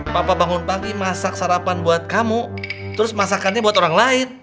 papa bangun pagi masak sarapan buat kamu terus masakannya buat orang lain